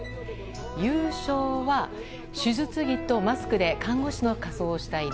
優勝は、手術着とマスクで看護師の仮装をした犬。